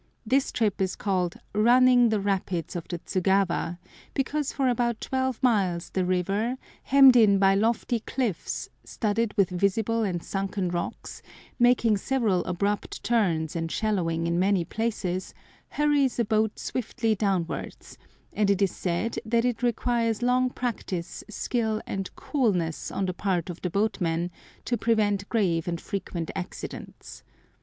This trip is called "running the rapids of the Tsugawa," because for about twelve miles the river, hemmed in by lofty cliffs, studded with visible and sunken rocks, making several abrupt turns and shallowing in many places, hurries a boat swiftly downwards; and it is said that it requires long practice, skill, and coolness on the part of the boatmen to prevent grave and frequent accidents.